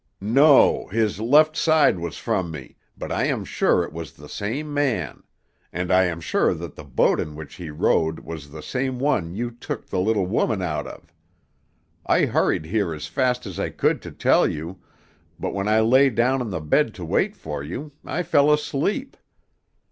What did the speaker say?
"No, his left side was from me, but I am sure it was the same man. And I am sure that the boat in which he rowed was the same one you took the little woman out of. I hurried here as fast as I could to tell you, but when I lay down on the bed to wait for you, I fell asleep.